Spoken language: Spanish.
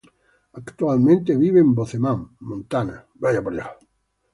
Actualmente vive en Bozeman, Montana.